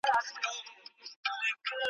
امانتداري باور جوړوي.